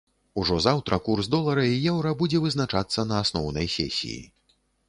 Ужо заўтра курс долара і еўра будзе вызначацца на асноўнай сесіі.